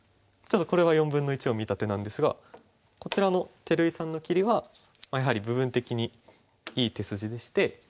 ちょっとこれは４分の１を見た手なんですがこちらの照井さんの切りはやはり部分的にいい手筋でして。